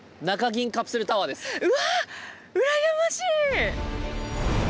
うわ羨ましい！